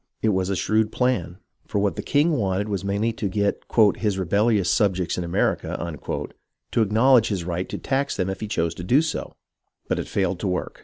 It was a shrewd plan, for what the king wanted was mainly to get "his rebellious subjects in America" to acknowledge his right to tax them if he chose to do so ; but it failed to work.